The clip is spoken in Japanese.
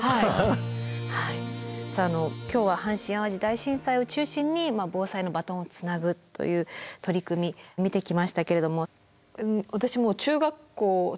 さあ今日は阪神・淡路大震災を中心に防災のバトンをつなぐという取り組み見てきましたけれども。